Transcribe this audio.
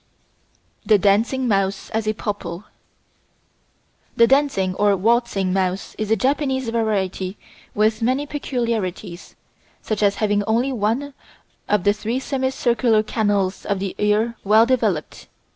The Dancing Mouse as a Pupil The dancing or waltzing mouse is a Japanese variety with many peculiarities, such as having only one of the three semicircular canals of the ear well developed.